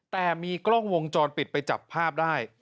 แต่มีกล้องวงจรปิดไปจับภาพได้